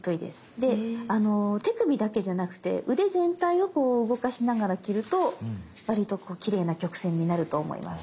で手首だけじゃなくて腕全体をこう動かしながら切ると割とこうきれいな曲線になると思います。